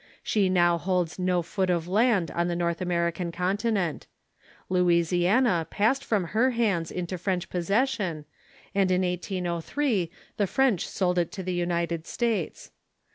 She now holds no foot of land on the North American continent. Louisiana passed from her hands into French possession, and in 1803 the French sold it to the United States.